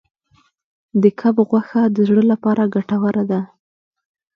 د کب غوښه د زړه لپاره ګټوره ده.